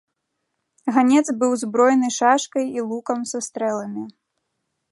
Ганец быў збройны шашкай і лукам са стрэламі.